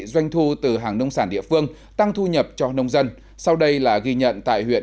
doanh thu từ hàng nông sản địa phương tăng thu nhập cho nông dân sau đây là ghi nhận tại huyện